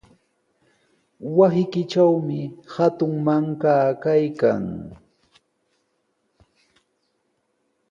Wasiykitrawmi hatun mankaa kaykan.